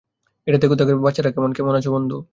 এটা দেখ তাকে দেখ, বাচ্চারা - কেমন আছো, বন্ধু?